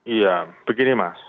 iya begini mas